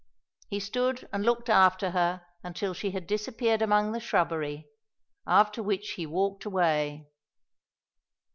He stood and looked after her until she had disappeared among the shrubbery, after which he walked away.